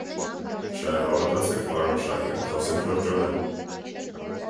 - Չէ, հավատացեք, պարոն Շահյան, խոսենք լրջորեն: